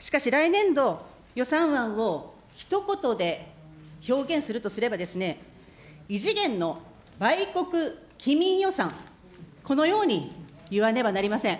しかし、来年度予算案をひと言で表現するとすればですね、異次元の売国棄民予算、このように言わねばなりません。